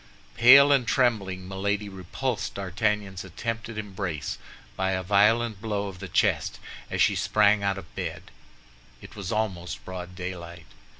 Pale and trembling, Milady repulsed D'Artagnan's attempted embrace by a violent blow on the chest, as she sprang out of bed. It was almost broad daylight.